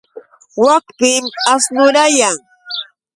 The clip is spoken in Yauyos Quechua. Wakpim asnurayan.